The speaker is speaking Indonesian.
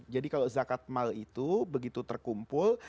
jadi kalau zakat mal itu begitu terkumpul